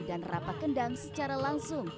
dan rapat kendang secara langsung